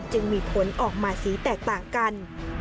จึงมีผลออกมาสีแตกต่างกัน